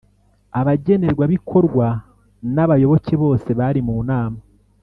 Abagenerwabikorwa n abayoboke bose bari mu nama